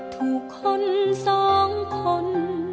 ถูกคนสองคน